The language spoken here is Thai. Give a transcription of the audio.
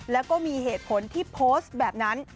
แล้วก็มีเหตุผลที่โพสต์แบบนั้น